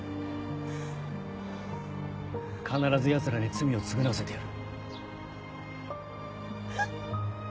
必ずヤツらに罪を償わせてやる。